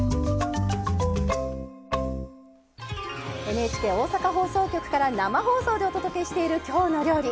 ＮＨＫ大阪放送局から生放送でお届けしている「きょうの料理」。